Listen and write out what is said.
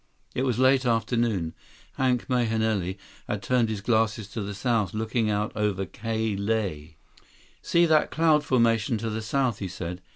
It was late afternoon. Hank Mahenili had turned his glasses to the south, looking out over Ka Lae. "See that cloud formation to the south?" he said.